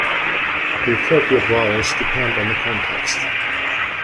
The appropriate vowels depend on the context.